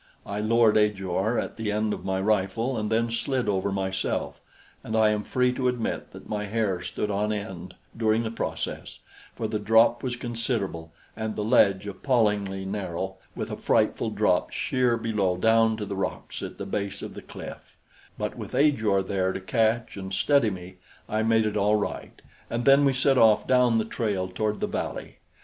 I lowered Ajor at the end of my rifle and then slid over myself, and I am free to admit that my hair stood on end during the process, for the drop was considerable and the ledge appallingly narrow, with a frightful drop sheer below down to the rocks at the base of the cliff; but with Ajor there to catch and steady me, I made it all right, and then we set off down the trail toward the valley.